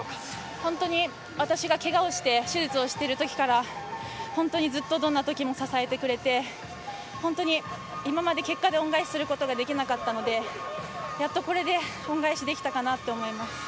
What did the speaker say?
本当に私がけがをして手術をしているときから、本当にずっとどんなときも支えてくれて、本当に今まで結果で恩返しすることができなかったので、やっとこれで恩返しできたかなって思います。